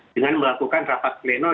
dengan melakukan rapat pleno